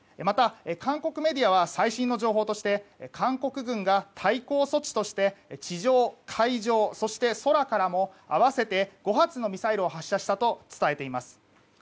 また韓国メディアは最新の情報として、韓国軍が対抗措置として地上、海上そして空からも合わせて５発のミサイルを発射したと伝えています。